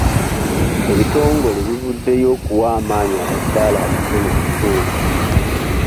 Ebitongole bivuddeyo okuwa amaanyi abakyala abato mu kitundu.